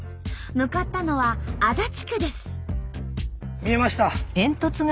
向かったのは足立区です。